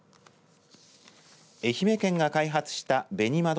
愛媛県が開発した紅ま